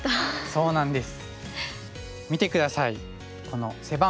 そうなんです。